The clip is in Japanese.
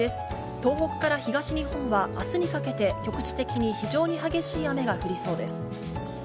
東北から東日本は、あすにかけて、局地的に非常に激しい雨が降りそうです。